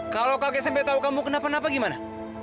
kalau kakek sampe tau kamu kenapa napa gimana